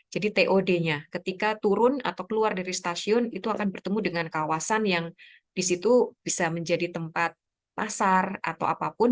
jadi tod nya ketika turun atau keluar dari stasiun itu akan bertemu dengan kawasan yang disitu bisa menjadi tempat pasar atau apapun